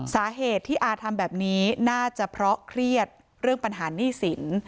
สาเหตุที่อาทำแบบนี้น่าจะเพราะเครียดเรื่องปัญหาหนี้สิน